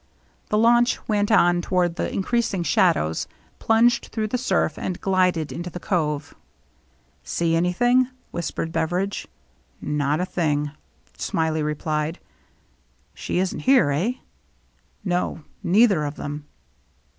The launch went on toward the increasing shadows, plunged through the surf, and glided into the cove. " See anything ?" whispered Beveridge. " Not a thing," Smiley replied. " She isn't here, eh ?"" No, neither of them.'